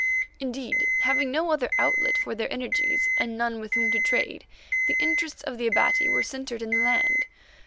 Indeed, having no other outlet for their energies and none with whom to trade, the interests of the Abati were centred in the land.